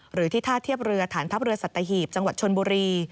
หรือที่ท่าเทียบเรือฐานทัพเรือสัตหีบจังหวัดชนบุรี